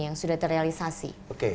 yang sudah terrealisasi